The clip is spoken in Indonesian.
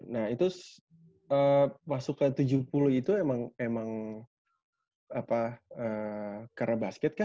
nah itu masuk ke tujuh puluh itu emang karena basket kan